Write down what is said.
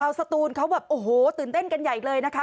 เอาสตูนเขาแบบโอ้โหตื่นเต้นกันใหญ่เลยนะคะ